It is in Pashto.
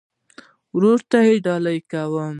ارواوو ته ډالۍ کوم.